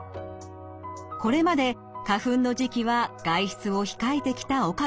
これまで花粉の時期は外出を控えてきた岡部さん。